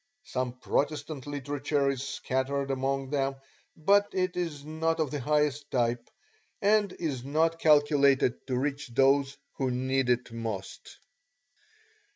Some Protestant literature is scattered among them but it is not of the highest type, and is not calculated to reach those who need it most.